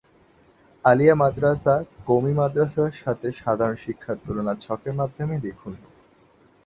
আলিয়া মাদ্রাসা, কওমি মাদ্রাসার সাথে সাধারণ শিক্ষার তুলনা ছকের মাধ্যমে দেখুন।